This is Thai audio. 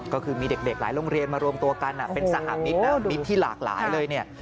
ก็คือมีเด็กหลายโรงเรียนมารวมตัวกันเป็นสหมิตรแบบมิตรที่หลากหลายเลยเนี่ย